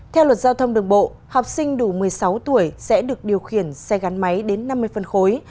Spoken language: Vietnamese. theo luật giao thông đường bộ học sinh đủ một mươi sáu tuổi sẽ được điều khiển xe gắn máy đến năm mươi phân khối